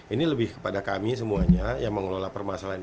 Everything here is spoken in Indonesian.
ini lebih kepada kami semuanya yang mengelola permasalahannya